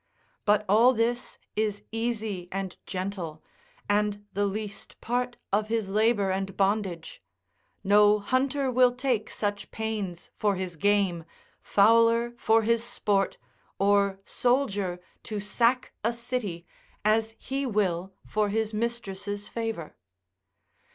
But all this is easy and gentle, and the least part of his labour and bondage, no hunter will take such pains for his game, fowler for his sport, or soldier to sack a city, as he will for his mistress' favour.